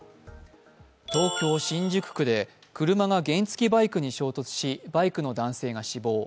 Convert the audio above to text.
東京・新宿区で車が原付きバイクに衝突しバイクの男性が死亡。